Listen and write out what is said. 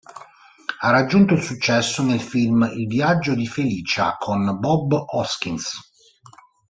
Ha raggiunto il successo nel film "Il viaggio di Felicia" con Bob Hoskins.